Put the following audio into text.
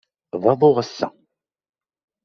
D aḍu, ass-a.